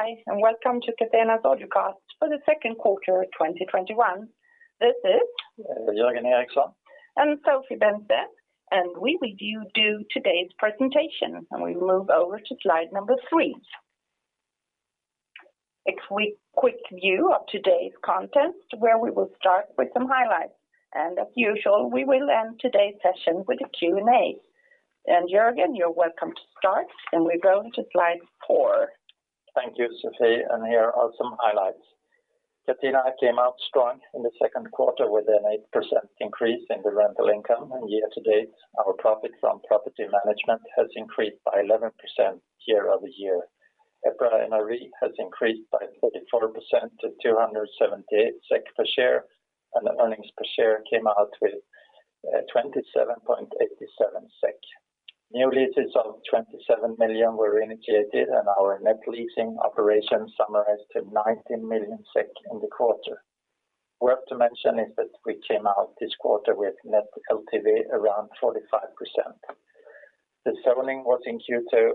Hi, welcome to Catena's podcast for the Q2 of 2021. Jörgen Eriksson Sofie Bennsten, and we will do today's presentation. We move over to slide number three. It's a quick view of today's content, where we will start with some highlights, and as usual, we will end today's session with a Q&A. Jörgen, you're welcome to start, and we go to slide four. Thank you, Sofie, and here are some highlights. Catena came out strong in the Q2 with an eight percent increase in the rental income. Year-to-date, our profit from property management has increased by 11% year-over-year. EPRA NRV has increased by 34% to 278 SEK per share. The earnings per share came out to 27.87 SEK. New leases of 27 million were initiated. Our net leasing operations summarized to 19 million SEK in the quarter. Worth to mention is that we came out this quarter with net LTV around 45%. The zoning was in Q2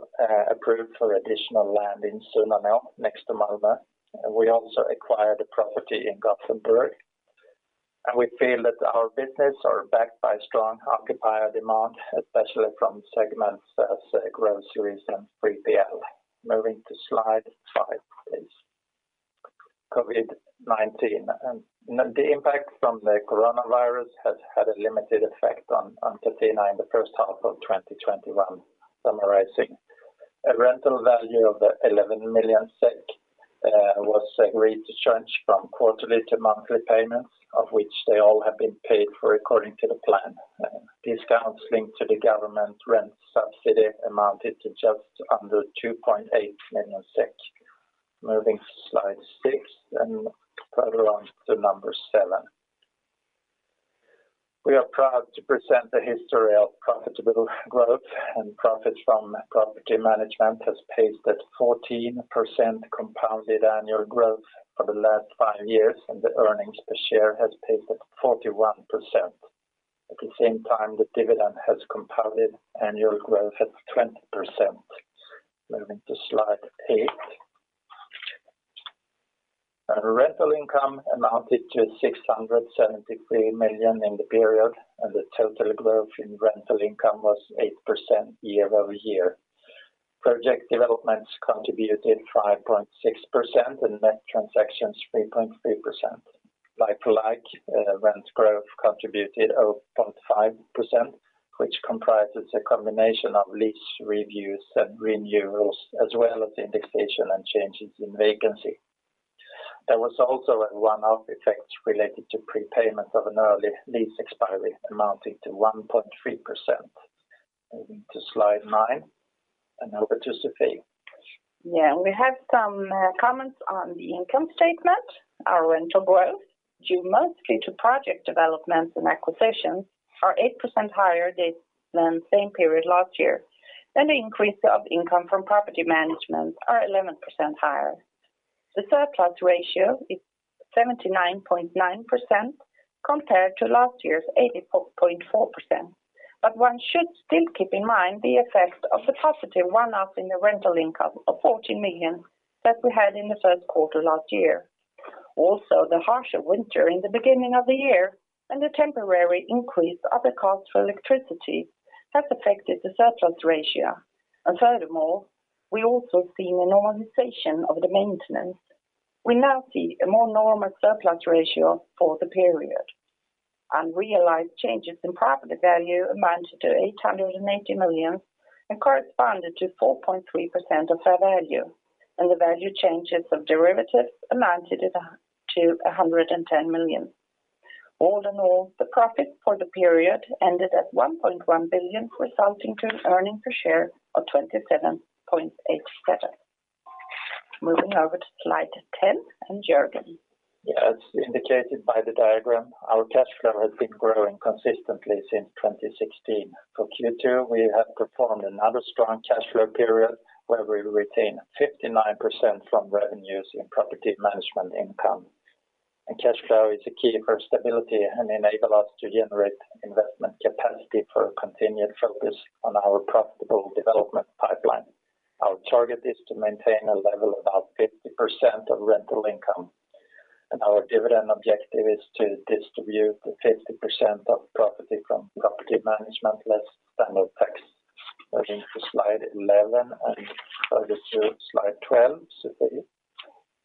approved for additional land in Sunnanå next to Malmö. We also acquired a property in Gothenburg. We feel that our business are backed by strong occupier demand, especially from segments such as groceries and 3PL. Moving to slide five, please. COVID-19. The impact from the coronavirus has had a limited effect on Catena in the first half of 2021. Summarizing, a rental value of 11 million SEK was agreed to change from quarterly to monthly payments, of which they all have been paid for according to the plan. Discounts linked to the government rent subsidy amounted to just under 2.8 million SEK. Moving to slide six, then further on to number seven. We are proud to present the history of profitable growth. Profits from property management has paced at 14% compounded annual growth for the last five years, and the earnings per share has paced at 41%. At the same time, the dividend has compounded annual growth at 20%. Moving to slide eight. Our rental income amounted to 673 million in the period. The total growth in rental income was eight percent year-over-year. Project developments contributed 5.6%, and net transactions 3.3%. Like-for-like, rent growth contributed 0.5%, which comprises a combination of lease reviews and renewals, as well as inflation and changes in vacancy. There was also a one-off effect related to prepayment of an early lease expiry amounting to 1.3%. Moving to slide nine, and over to Sofie. Yeah, we have some comments on the income statement. Our rental growth, due mostly to development projects and acquisitions, are eight percent higher than same period last year. The increase of income from property management are 11% higher. The surplus ratio is 79.9%, compared to last year's 84.4%. One should still keep in mind the effects of a positive one-off in the rental income of 40 million that we had in the Q1 last year. Also, the harsher winter in the beginning of the year, and the temporary increase of the cost for electricity, has affected the surplus ratio. Furthermore, we also see a normalization of the maintenance. We now see a more normal surplus ratio for the period. Unrealized changes in property value amounted to 880 million, corresponding to 4.3% of our value. The value changes of derivatives amounted to 110 million. All in all, the profit for the period ended at 1.1 billion, resulting in an earnings per share of 27.87. Moving over to slide 10 and Jörgen. As indicated by the diagram, our cash flow has been growing consistently since 2016. For Q2, we have performed another strong cash flow period, where we retain 59% from revenues in property management income. Cash flow is a key for stability and enable us to generate investment capacity for a continued focus on our profitable development pipeline. Our target is to maintain a level above 50% of rental income, and our dividend objective is to distribute 50% of profit from property management, less standout costs. Moving to slide 11, and further to slide 12, Sofie.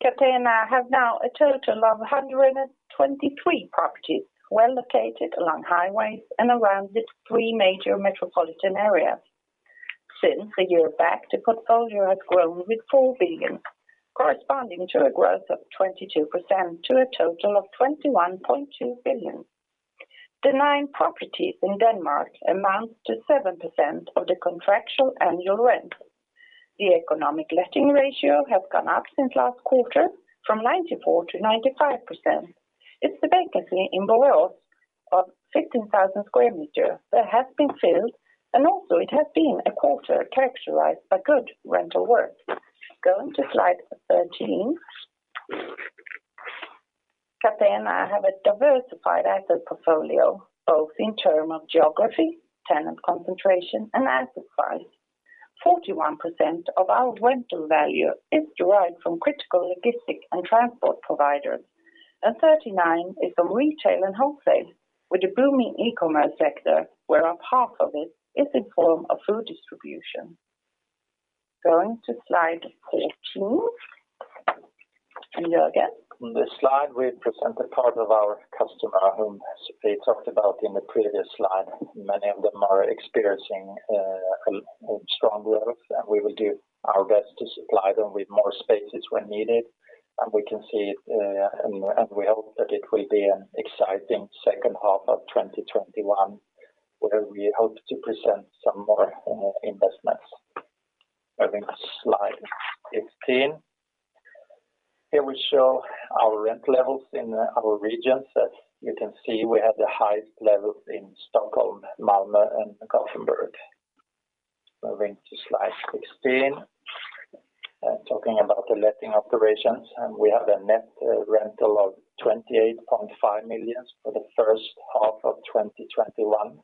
Catena have now a total of 123 properties, well-located along highways and around the three major metropolitan areas. Since a year back, the portfolio has grown with 4 billion, corresponding to a growth of 22% to a total of 21.2 billion. The nine properties in Denmark amounts to seven percent of the contractual annual rent. The economic letting ratio has gone up since last quarter from 94%-95%. It's the vacancy in Borås of 16,000 sq m that has been filled, and also it has been a quarter characterized by good rental growth. Going to slide 13. Catena have a diversified asset portfolio, both in term of geography, tenant concentration, and asset price. 41% of our rental value is derived from critical logistic and transport providers, and 39% is from retail and wholesale, with a booming e-commerce sector where a part of it is in form of food distribution. Going to slide 14. There again, on this slide, we present a part of our customer whom Sofie talked about in the previous slide. Many of them are experiencing a strong growth, and we will do our best to supply them with more spaces where needed, and we hope that it will be an exciting second half of 2021, where we hope to present some more investments. Moving to slide 15. Here we show our rent levels in our regions. As you can see, we have the highest levels in Stockholm, Malmö, and Gothenburg. Moving to slide 16. Talking about the letting operations, we have a net rental of 28.5 million for the first half of 2021.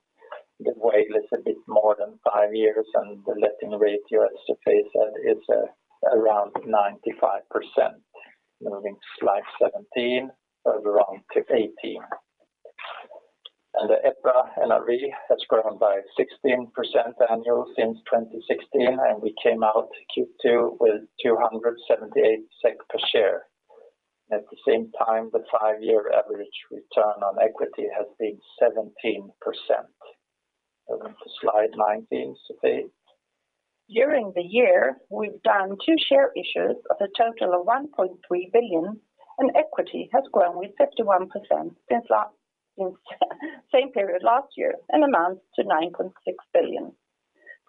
The weight is a bit more than five years, the letting rate here, as Sofie said, is around 95%. Moving to slide 17. Further on to 18. The EPRA NRV has grown by 16% annual since 2016, we came out Q2 with 278 SEK per share. At the same time, the five-year average return on equity has been 17%. Moving to slide 19, Sofie. During the year, we've done two share issues of a total of 1.3 billion, equity has grown with 51% since same period last year and amounts to 9.6 billion.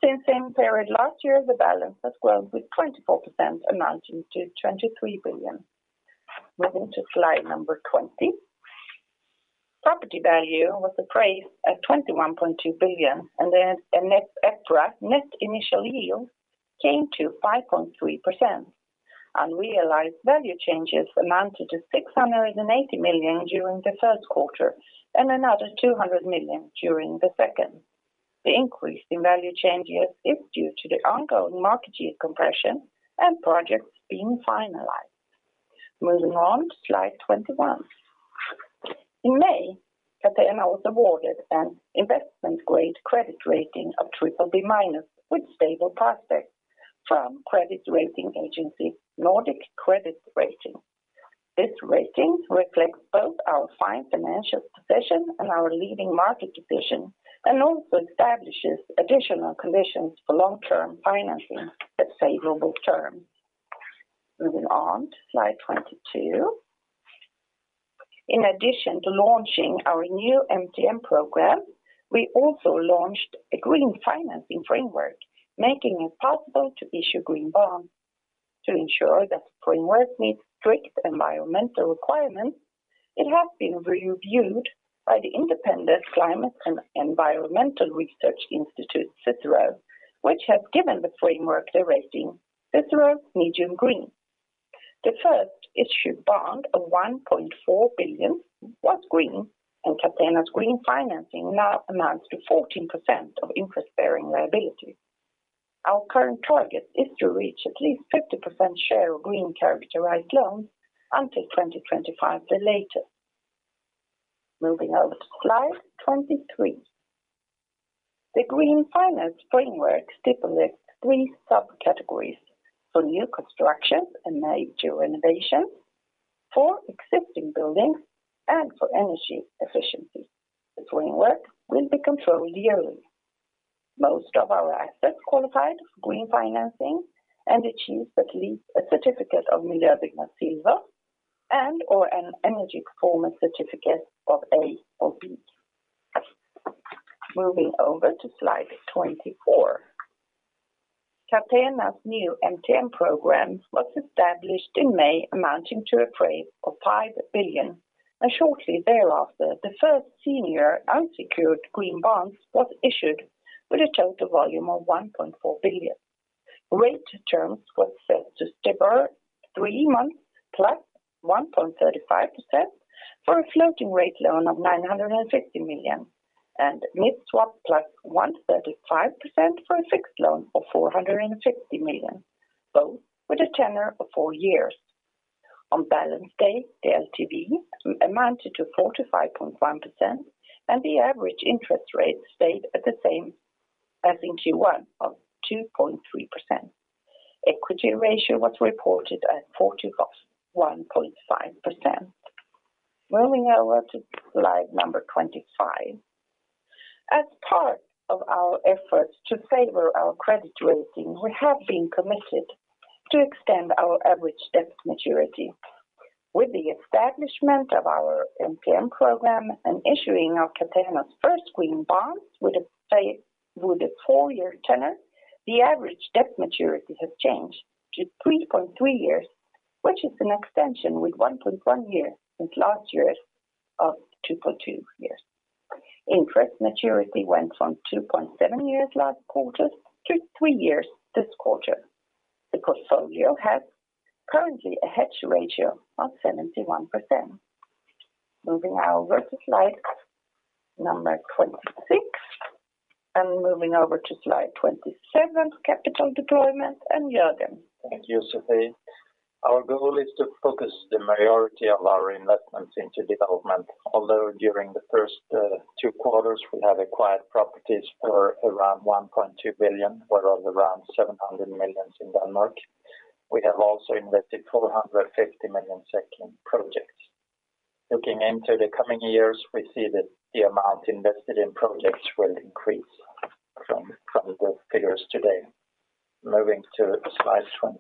Since same period last year, the balance has grown with 24%, amounting to 23 billion. Moving to slide number 20. Property value was appraised at 21.2 billion, and the net EPRA Net Initial Yield came to 5.3%. Unrealized value changes amounted to 680 million during theQ1 and another 200 million during the second. The increase in value changes is due to the ongoing market year compression and projects being finalized. Moving on to slide 21. In May, Catena was awarded an investment-grade credit rating of BBB- with stable prospects from credit rating agency Nordic Credit Rating. This rating reflects both our fine financial position and our leading market position and also establishes additional conditions for long-term financing at favorable terms. Moving on to slide 22. In addition to launching our new MTN program, we also launched a Green Financing Framework, making it possible to issue green bonds. To ensure that the framework meets strict environmental requirements, it has been reviewed by the independent climate and environmental research institute, CICERO, which has given the framework the rating CICERO Medium Green. The first issued bond of 1.4 billion was green, and Catena's green financing now amounts to 14% of interest-bearing liabilities. Our current target is to reach at least 50% share of green characterized loans until 2025 at latest. Moving over to slide 23. The green finance framework stipulates three sub-categories for new construction and major renovations, for existing buildings, and for energy efficiency. The framework will be controlled yearly. Most of our assets qualify for green financing and achieve at least a certificate of Miljöbyggnad Silver and/or an energy performance certificate of A or B. Moving over to slide 24. Catena's new MTN program was established in May, amounting to a price of 5 billion, and shortly thereafter, the first senior unsecured green bonds was issued with a total volume of 1.4 billion. Rate terms was set to STIBOR three months plus 1.35% for a floating rate loan of 950 million, and mid-swap plus 1.35% for a fixed loan of 450 million, both with a tenor of four years. On balance date, the LTV amounted to 45.1%, and the average interest rate stayed at the same as in Q1 of 2.3%. Equity ratio was reported at 41.5%. Moving over to slide number 25. As part of our efforts to favor our credit rating, we have been committed to extend our average debt maturity. With the establishment of our MTN program and issuing our Catena's first green bonds with a four year tenor, the average debt maturity has changed to 3.3 years, which is an extension with 1.1 year since last year. 2.2 years. Interest maturity went from 2.7 years last quarter to three years this quarter. The portfolio has currently a hedge ratio of 71%. Moving over to slide number 26, and moving over to slide 27, capital deployment, and Jörgen. Thank you, Sofie. Our goal is to focus the majority of our investments into development. Although during the first Q2, we have acquired properties for around 1.2 billion, whereof around 700 million is in Denmark. We have also invested 450 million in development projects. Looking into the coming years, we see that the amount invested in projects will increase from the figures today. Moving to slide 28.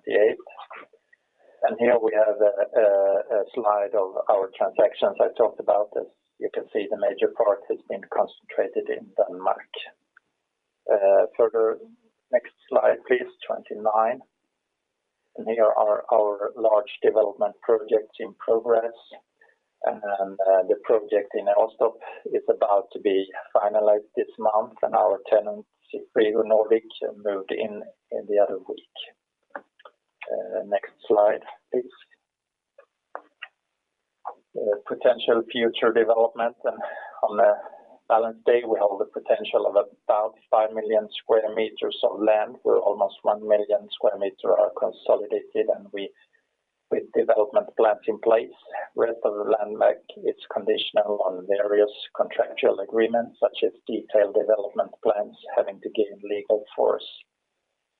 Here we have a slide of our transactions. I talked about this. You can see the major part has been concentrated in Denmark. Next slide, please, 29. Here are our large development projects in progress. The project in Åstorp is about to be finalized this month, and our tenant, FREJA, have moved in the other week. Next slide, please. Potential future development. On the balance day, we have the potential of about 5 million sq m of land, where almost 1 million sq m are consolidated and with development plans in place. Rest of the land bank, it's conditional on various contractual agreements such as detailed development plans having to gain legal force.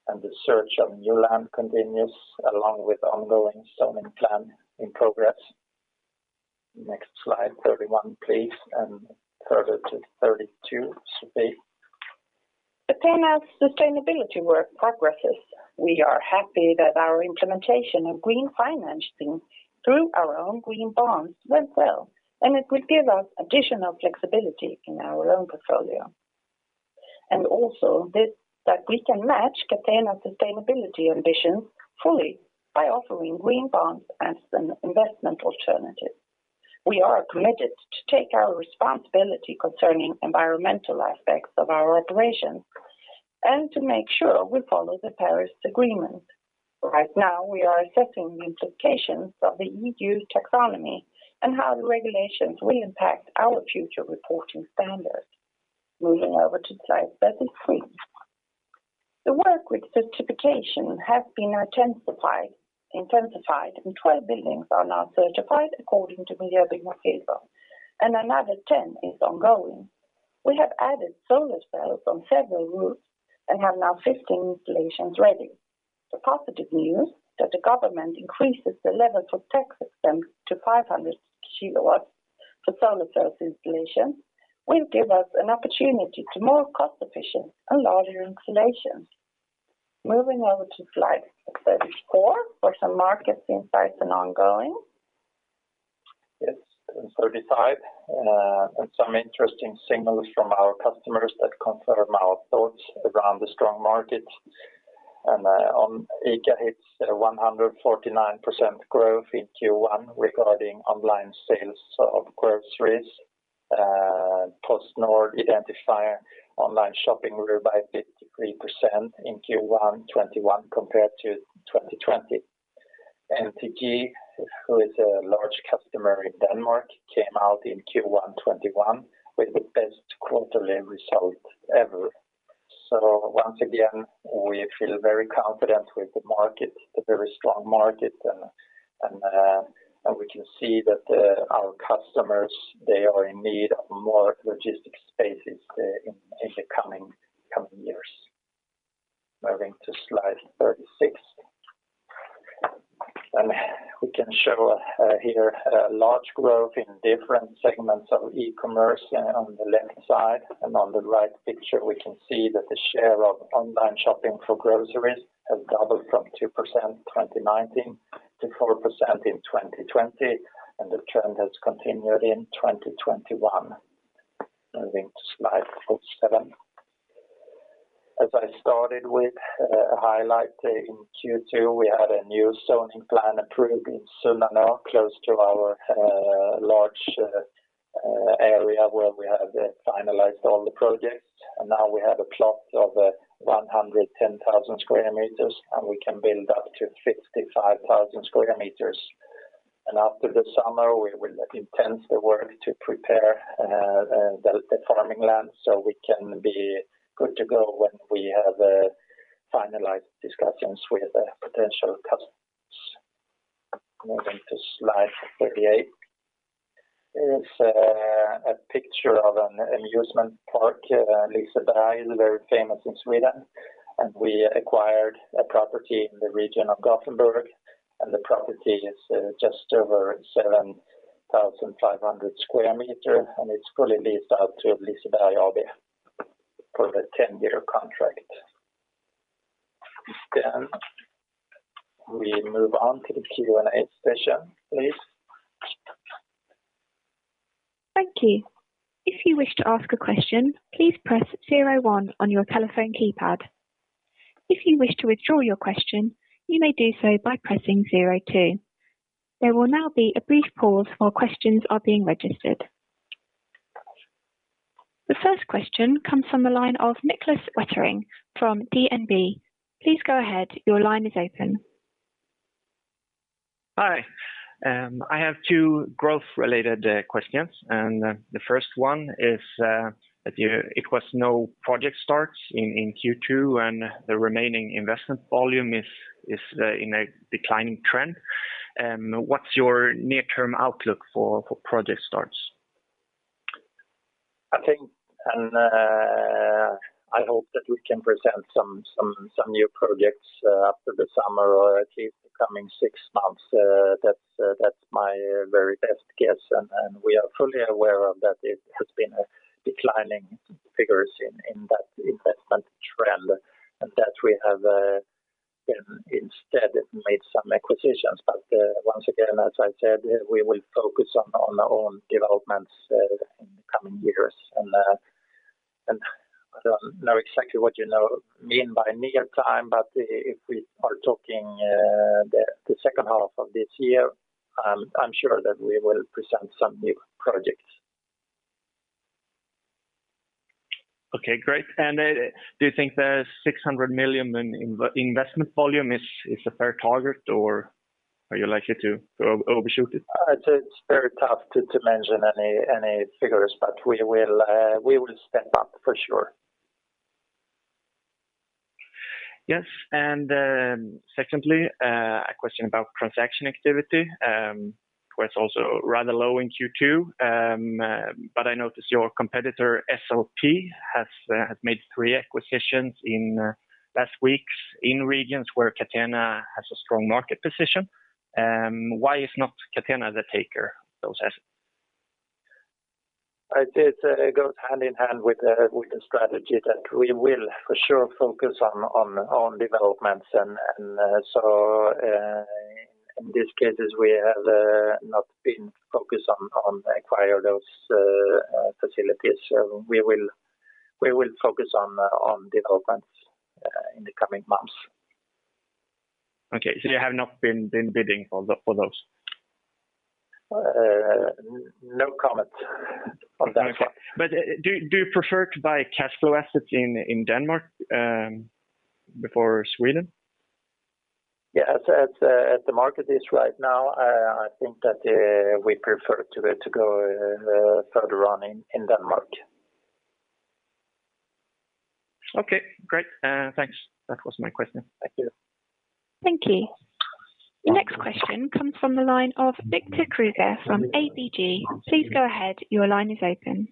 The search of new land continues along with ongoing zoning plan in progress. Next slide, 31, please, and further to 32, Sofie. Catena's sustainability work progresses. We are happy that our implementation of green financing through our own green bonds went well, and it will give us additional flexibility in our loan portfolio. Also that we can match Catena sustainability ambitions fully by offering green bonds as an investment alternative. We are committed to take our responsibility concerning environmental aspects of our operations and to make sure we follow the Paris Agreement. Right now, we are assessing the implications of the EU taxonomy and how the regulations will impact our future reporting standards. Moving over to slide 33. The work with certification has been intensified, and 12 buildings are now certified according to BREEAM In-Use, and another 10 is ongoing. We have added solar cells on several roofs and have now 15 installations ready. The positive news that the government increases the level for tax system to 500 kilowatts for solar cells installation will give us an opportunity to more cost-efficient and larger installations. Moving over to slide 34 for some market insights and ongoing. Yes, 35. Some interesting signals from our customers that confirm our thoughts around the strong market. On ICA, it's 149% growth in Q1 regarding online sales of groceries. PostNord identify online shopping grew by 53% in Q1 2021 compared to 2020. MTG, who is a large customer in Denmark, came out in Q1 2021 with the best quarterly result ever. Once again, we feel very confident with the market, a very strong market, and we can see that our customers, they are in need of more logistics spaces in the coming years. Moving to slide 36. We can show here a large growth in different segments of e-commerce on the left side. On the right picture, we can see that the share of online shopping for groceries has doubled from two percent in 2019 - four percent in 2020, and the trend has continued in 2021. Moving to slide 37. As I started with, highlight in Q2, we had a new zoning plan approved in Sunnanå, close to our large area where we have finalized all the projects. Now we have a plot of 110,000 square meters, and we can build up to 55,000 square meters. After the summer, we will intensify work to prepare the farming land, so we can be good to go when we have finalized discussions with potential customers. Moving to slide 38. It's a picture of an amusement park, Liseberg, very famous in Sweden. We acquired a property in the region of Gothenburg, and the property is just over 7,500 square meters, and it's fully leased out to Liseberg AB for the 10-year contract. We move on to the Q&A session, please. Thank you. If you wish to ask a question, please press 01 on your telephone keypad. The first question comes from the line of Niklas Wetterling from DNB. Please go ahead. Your line is open. Hi. I have two growth-related questions. The first one is, it was no project starts in Q2 and the remaining investment volume is in a declining trend. What's your near-term outlook for project starts? I think I hope that we can present some new projects after the summer or at least the coming six months. That's my very best guess. We are fully aware that it has been declining figures in that investment trend and that we have instead made some acquisitions. Once again, as I said, we will focus on our own developments in the coming years. I don't know exactly what you mean by near-time, but if we are talking the second half of this year, I'm sure that we will present some new projects. Okay, great. Do you think the 600 million in investment volume is a fair target, or are you likely to overshoot it? It's very tough to mention any figures, but we will step up for sure. Yes, secondly, a question about transaction activity. It was also rather low in Q2, I noticed your competitor SLP has made three acquisitions in the last weeks in regions where Catena has a strong market position. Why is not Catena the taker those assets? It goes hand in hand with the strategy that we will for sure focus on developments. In these cases, we have not been focused on acquiring those facilities. We will focus on developments in the coming months. Okay. You have not been bidding for those? No comment on that one. Do you prefer to buy cash flow assets in Denmark before Sweden? Yes, as the market is right now, I think that we prefer to go further on in Denmark. Okay, great. Thanks. That was my question. Thank you. Thank you. The next question comes from the line of Victor Krüeger from ABG. Please go ahead. Your line is open.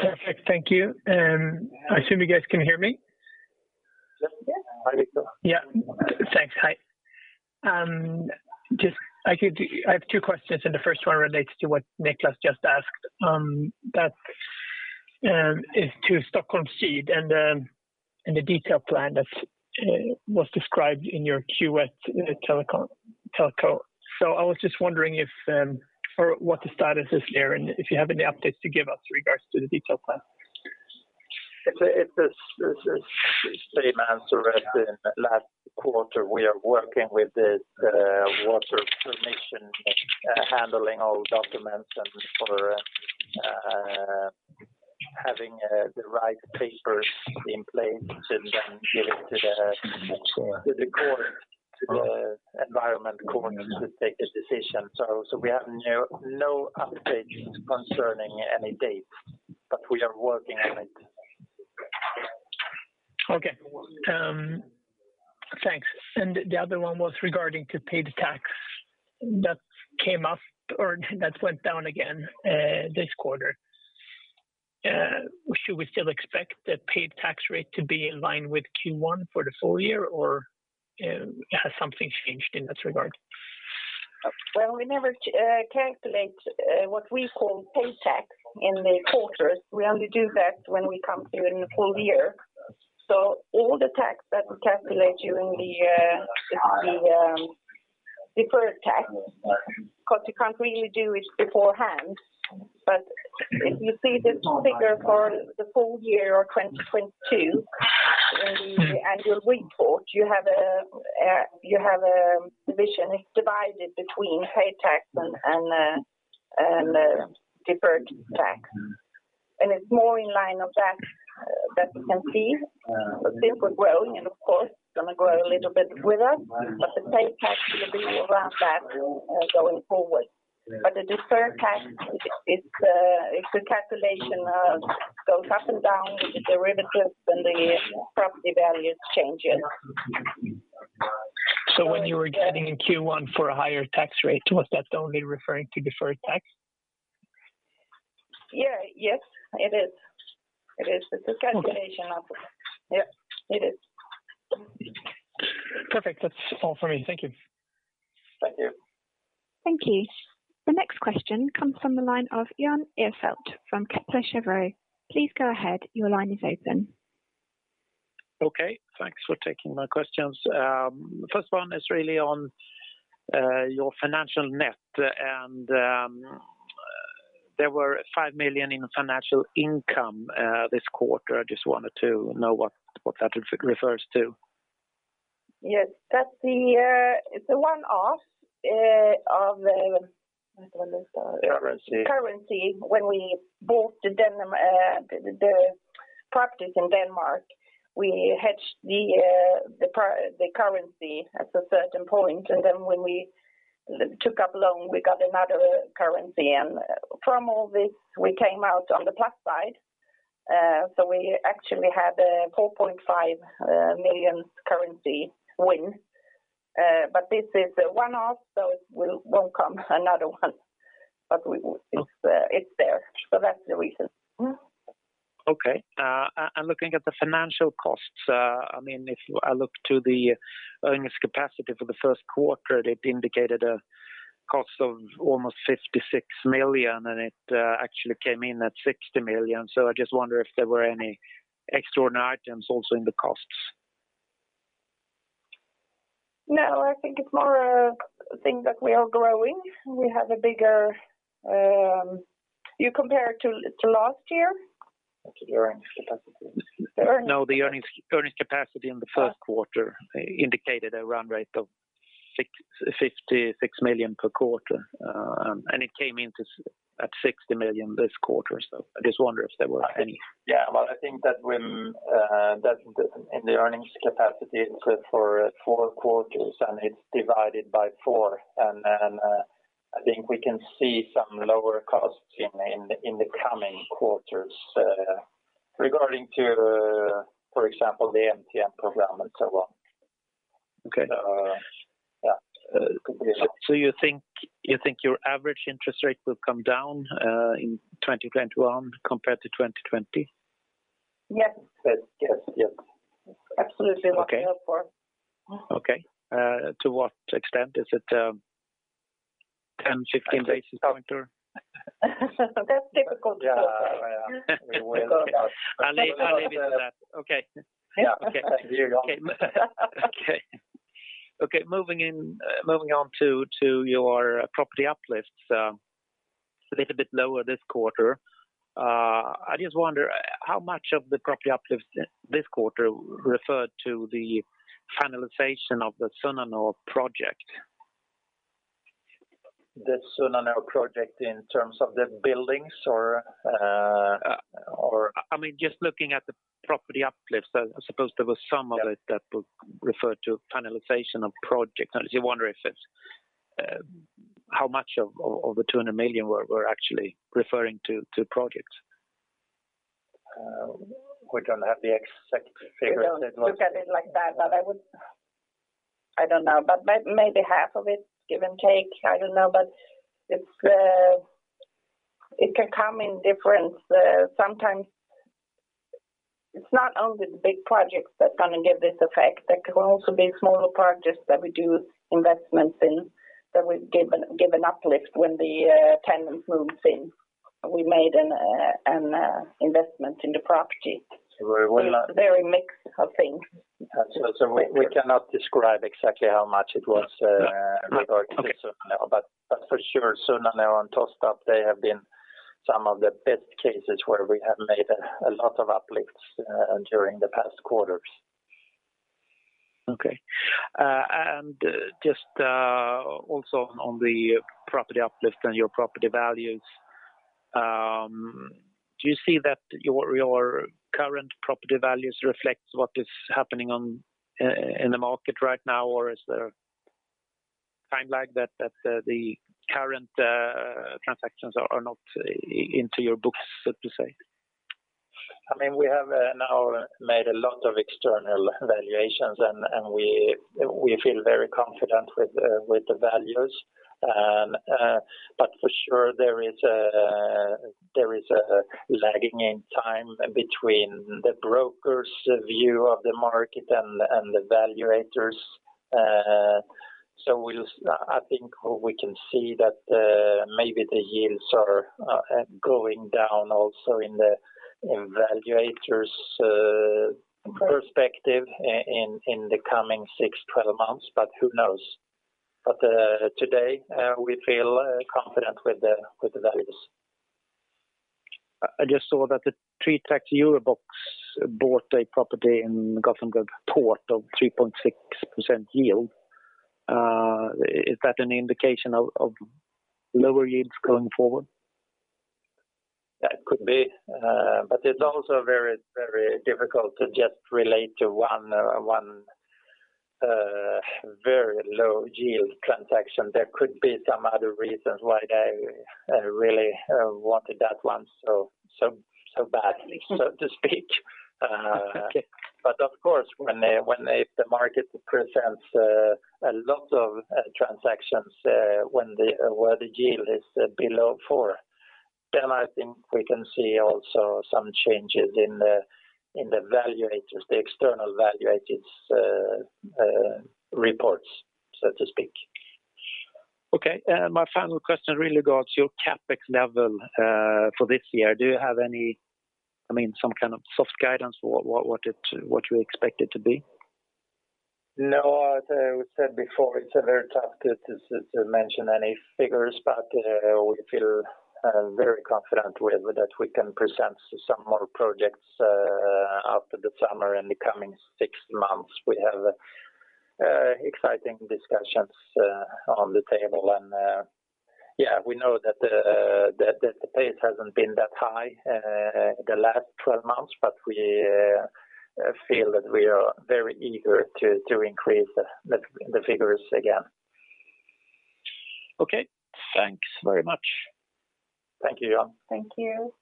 Perfect. Thank you. I assume you guys can hear me. Yes. How are you going? Yeah. Thanks. Hi. I have two questions. The first one relates to what Niklas just asked. That is to Stockholm and the detail plan that was described in your Q1 telco. I was just wondering what the status is there and if you have any updates to give us with regards to the detail plan. It's the same answer as in last quarter. We are working with water permission, handling all documents and for having the right papers in place and then give it to the court, to the environment court to take a decision. We have no update concerning any date, but we are working on it. Okay. Thanks. The other one was regarding the paid tax that went down again this quarter. Should we still expect the paid tax rate to be in line with Q1 for the full year, or has something changed in this regard? Well, we never calculate what we call paid tax in the quarters. We only do that when we come to in the full year. All the tax that we calculate during the deferred tax, because you can't really do it beforehand. You see this figure for the full year of 2022 in the annual report, you have a division. It's divided between paid tax and deferred tax. It's more in line with that we can see. It will grow, and of course, it's going to grow a little bit with us. The paid tax will be around that going forward. The deferred tax is a calculation that goes up and down with the interest and the property values changing. When you were guiding in Q1 for a higher tax rate, was that only referring to deferred tax? Yes, it is. It is the calculation of it. Yep, it is. Perfect. That's all for me. Thank you. Thank you. Thank you. The next question comes from the line of Jan Ihrfelt from Pictet Trevaux. Please go ahead. Your line is open. Okay. Thanks for taking my questions. First one is really on your financial net. There were 5 million in financial income this quarter. I just wanted to know what that refers to. Yes. That's the one-off. Currency currency when we bought the properties in Denmark. We hedged the currency at a certain point, and then when we took up loan, we got another currency. From all this, we came out on the plus side. We actually had a 4.5 million currency win. This is a one-off, so it won't come another one. It's there. That's the reason. Okay. Looking at the financial costs, if you look to the earnings capacity for the Q1, it indicated a cost of almost 56 million, and it actually came in at 60 million. I just wonder if there were any extraordinary items also in the costs. No, I think it's more a thing that we are growing. You compare it to last year? No, the earnings capacity in the first quarter indicated a run rate of 66 million per quarter, and it came into at 60 million this quarter. I just wonder if there were. Right. Yeah. Well, I think that the earnings capacity is for Q4, and it's divided by four. I think we can see some lower costs in the coming quarters, regarding to, for example, the MTN program and so on. Okay. Yeah. You think your average interest rate will come down in 2021 compared to 2020? Yes. Absolutely, we hope for. Okay. To what extent? Is it 10, 15 basis points? That's difficult to say. I'll leave it at that. Okay. Yeah. Okay. Moving on to your property uplifts, a little bit lower this quarter. I just wonder, how much of the property uplifts this quarter referred to the finalization of the Sunnanå project? The Sunnanå project in terms of the buildings. Just looking at the property uplifts, I suppose there was some of it that referred to finalization of projects. I just wonder how much of the 200 million were actually referring to projects. We don't have the exact figures. No. I haven't looked at it like that, but I don't know. Maybe half of it, give and take. I don't know. It can come in different. Sometimes it's not only the big projects that give this effect. There can also be smaller projects that we do investments in that we've given uplift when the tenants move in, and we made an investment in the project. It's a very mixed, I think. We cannot describe exactly how much it was regarding to Sunnanå. For sure, Sunnanå and Tostarp, they have been some of the best cases where we have made a lot of uplifts during the past quarters. Okay. Just also on the property uplifts and your property values, do you see that your current property values reflect what is happening in the market right now, or is there a time lag that the current transactions are not into your books, so to say? We have now made a lot of external valuations, and we feel very confident with the values. For sure, there is a lagging in time between the broker's view of the market and the valuators. I think we can see that maybe the yields are going down also in the valuator's perspective in the coming six, 12 months, but who knows. Today, we feel confident with the values. I just saw that Tritax EuroBox bought a property in Gothenburg Port of 3.6% yield. Is that an indication of lower yields going forward? That could be. It's also very difficult to just relate to one very low yield transaction. There could be some other reasons why they really wanted that one so badly, so to speak. Okay. Of course, if the market presents a lot of transactions where the yield is below four, then I think we can see also some changes in the external valuator's reports, so to speak. Okay. My final question really regards your CapEx level for this year. Do you have some kind of soft guidance for what you expect it to be? No, as I said before, it's very tough to mention any figures, but we feel very confident that we can present some more projects after the summer in the coming six months. We have exciting discussions on the table. Yeah, we know that the pace hasn't been that high the last 12 months, but we feel that we are very eager to increase the figures again. Okay. Thanks very much. Thank you, John. Thank you.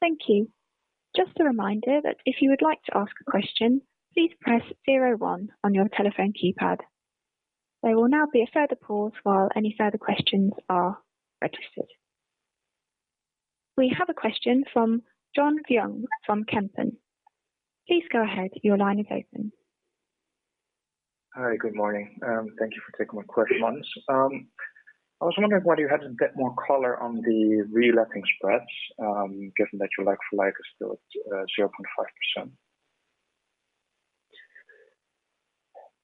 Thank you. Just a reminder that if you would like to ask a question, please press zero one on your telephone keypad. There will now be a further pause while any further questions are registered. We have a question from John Voung from Kempen. Please go ahead. Your line is open. Hi. Good morning. Thank you for taking my questions. I was wondering whether you had a bit more color on the reletting spreads, given that your like-for-like is still at 0.5%.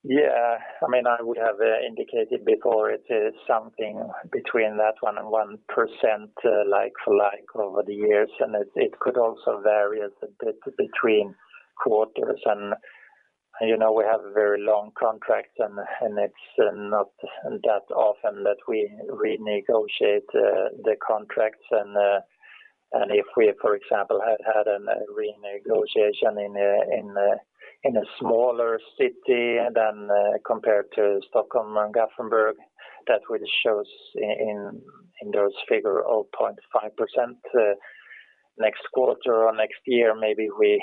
Yeah, I would have indicated before it is something between that one and one percent like-for-like over the years. It could also vary a bit between quarters. We have very long contracts, and it's not that often that we renegotiate the contracts. If we, for example, had had a renegotiation in a smaller city than compared to Stockholm and Gothenburg, that would show in those figure 0.5% next quarter or next year, maybe we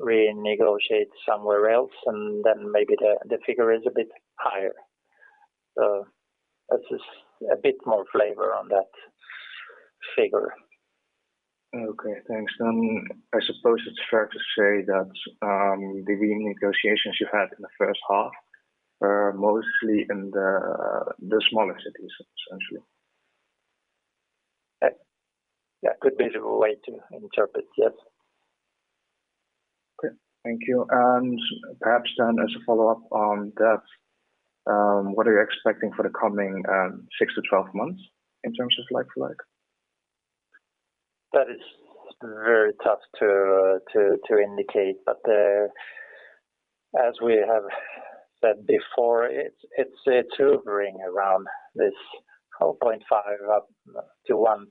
renegotiate somewhere else and then maybe the figure is a bit higher. That's just a bit more flavor on that figure. Okay, thanks. I suppose it's fair to say that the renegotiations you had in the first half are mostly in the smaller cities, essentially. Yeah. Could be the way to interpret, yes. Okay. Thank you. Perhaps then as a follow-up on that, what are you expecting for the coming 6-12 months in terms of like-for-like? That is very tough to indicate. As we have said before, it's hovering around this 0.5% up - 1%,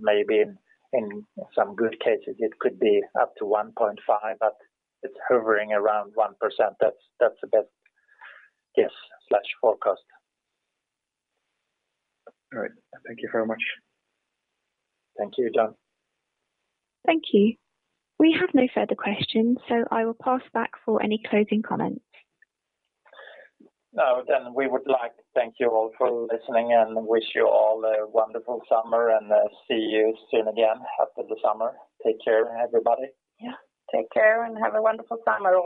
maybe in some good cases it could be up to 1.5%, but it's hovering around one percent. That's the best guess/forecast. All right. Thank you very much. Thank you, John. Thank you. I will pass back for any closing comments. No, we would like to thank you all for listening and wish you all a wonderful summer and see you soon again after the summer. Take care, everybody. Yeah. Take care and have a wonderful summer.